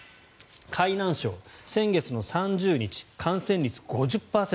海南省先月３０日、感染率５０％。